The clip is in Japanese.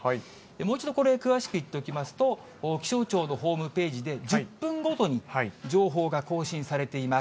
もう一度これ、詳しく言っておきますと、気象庁のホームページで１０分ごとに情報が更新されています。